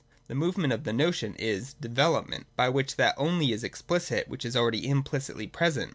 The movement of the Notion is development: by which_Jhat only .is. explicit which is .alrca4x.iHipli£itly present.